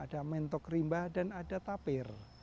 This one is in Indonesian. ada mentok rimba dan ada tapir